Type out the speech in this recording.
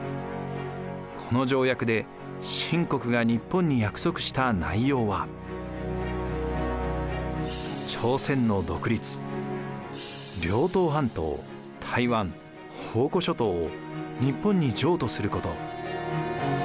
この条約で清国が日本に約束した内容は朝鮮の独立東半島台湾澎湖諸島を日本に譲渡すること。